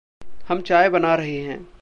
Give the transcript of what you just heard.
हम चाय बना रहे हैं।